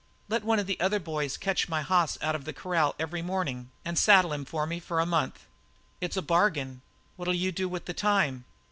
"Let one of the other boys catch my hoss out of the corral every morning and saddle him for me for a month." "It's a bargain. What'll you do with that time?"